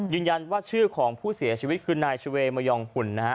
ยืนยันว่าชื่อของผู้เสียชีวิตคือนายชเวมยองหุ่นนะฮะ